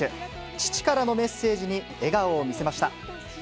父からのメッセージに笑顔を見せ